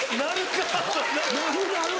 なるなる。